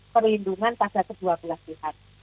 perlindungan pada kedua belah pihak